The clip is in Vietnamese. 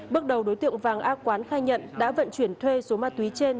bước đầu đối tượng vàng a quán khai nhận đã vận chuyển thuê số ma túy trên